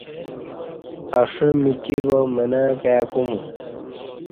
اݜہ میکی با منہ کای کومو